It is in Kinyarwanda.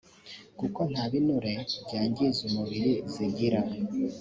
kuko nta binure byangiza umubiri zigira